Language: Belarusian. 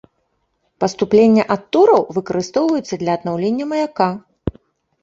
Паступлення ад тураў выкарыстоўваюцца для аднаўлення маяка.